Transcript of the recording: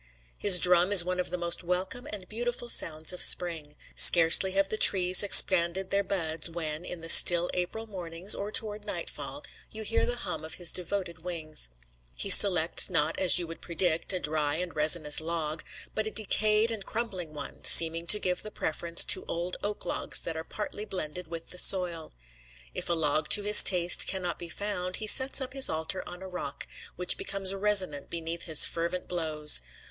His drum is one of the most welcome and beautiful sounds of spring. Scarcely have the trees expanded their buds, when, in the still April mornings, or toward nightfall, you hear the hum of his devoted wings. He selects, not, as you would predict, a dry and resinous log, but a decayed and crumbling one, seeming to give the preference to old oak logs that are partly blended with the soil. If a log to his taste cannot be found, he sets up his altar on a rock, which becomes resonant beneath his fervent blows.